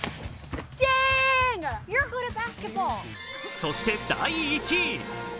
そして第１位。